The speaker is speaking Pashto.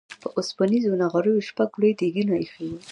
په اوسپنيزو نغريو شپږ لوی ديګونه اېښي وو.